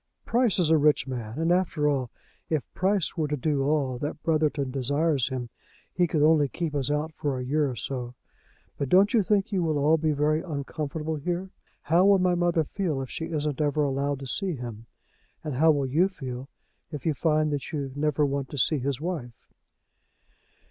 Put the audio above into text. "Price is a rich man. And after all, if Price were to do all that Brotherton desires him, he could only keep us out for a year or so. But don't you think you will all be very uncomfortable here. How will my mother feel if she isn't ever allowed to see him? And how will you feel if you find that you never want to see his wife?"